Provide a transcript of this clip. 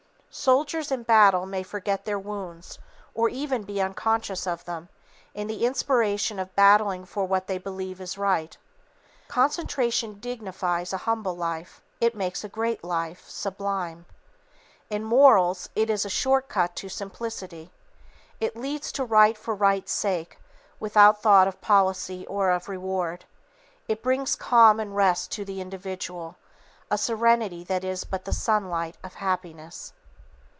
Soldiers in battle may forget their wounds, or even be unconscious of them, in the inspiration of battling for what they believe is right. Concentration dignifies an humble life; it makes a great life, sublime. In morals it is a short cut to simplicity. It leads to right for right's sake, without thought of policy or of reward. It brings calm and rest to the individual, a serenity that is but the sunlight of happiness.